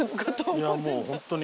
いやもう本当に。